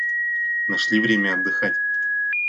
Нашли время отдыхать.